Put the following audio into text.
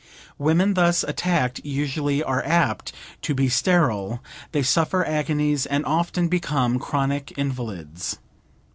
Women thus attacked usually are apt to be sterile; they suffer agonies, and often become chronic invalids.